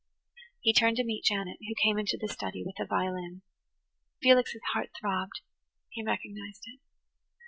He turned to meet Janet, who came into the study with a violin. Felix's heart throbbed; he recognized it.